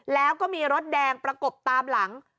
แล้วก็มีรถแดงประกบตามหลัง